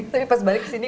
tapi pas balik ke sini